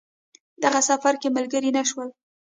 دغه سفر کې ملګري نه شول.